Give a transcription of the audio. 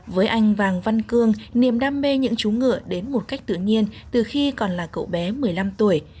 với anh vàng văn cương niềm đam mê những chú ngựa đến một cách tự nhiên từ khi còn là cậu bé một mươi năm tuổi